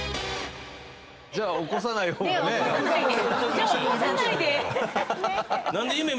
じゃ起こさないで！